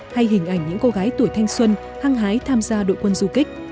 hay hình ảnh những cô gái tuổi thanh xuân hăng hái tham gia đội quân du kích